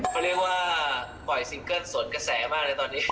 เขาเรียกว่าปล่อยซิงเกิ้ลสนกระแสมากเลยตอนนี้